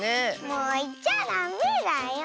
もういっちゃダメだよ。